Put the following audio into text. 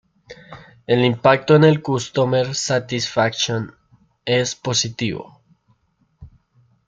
El impacto en el customer satisfaction es positivo.